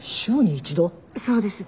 そうです。